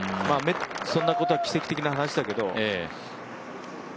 そんなことは奇跡的な話だけど。